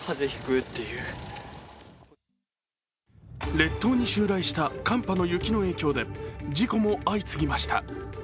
列島襲来した寒波の雪の影響で事故も相次ぎました。